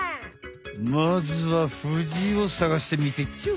まずはフジをさがしてみてちょ！